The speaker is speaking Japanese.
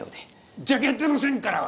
ジャケットの線からは？